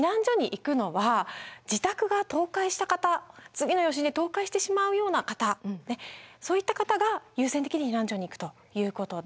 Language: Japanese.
ですので次の余震で倒壊してしまうような方そういった方が優先的に避難所に行くということで。